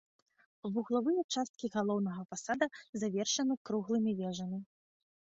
Вуглавыя часткі галоўнага фасада завершаны круглымі вежамі.